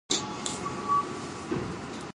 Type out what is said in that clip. きわめて狭い土地のたとえ。